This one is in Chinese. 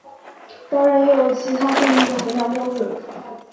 当然也有其它定义和衡量标准。